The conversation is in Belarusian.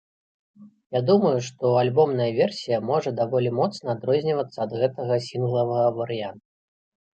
Я думаю, што альбомная версія можа даволі моцна адрознівацца ад гэтага сінглавага варыянту.